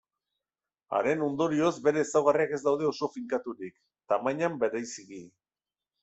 Haren ondorioz bere ezaugarriak ez daude oso finkaturik, tamainan bereziki.